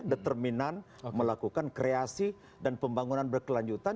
determinan melakukan kreasi dan pembangunan berkelanjutan